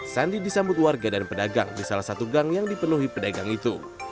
sandi disambut warga dan pedagang di salah satu gang yang dipenuhi pedagang itu